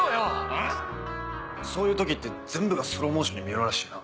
あぁ⁉そういう時って全部がスローモーションに見えるらしいな。